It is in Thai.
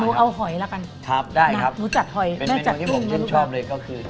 หนูเอาหอยละกันครับได้ครับหนูจัดหอยเป็นเมนูที่ผมชื่นชอบเลยก็คือ